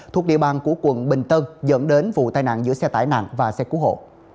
thuộc địa bàn của quận bình tân dẫn đến vụ tai nạn giữa xe tải nặng và xe cứu hộ